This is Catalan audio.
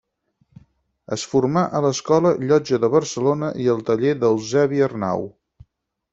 Es formà a l'Escola Llotja de Barcelona i al taller d'Eusebi Arnau.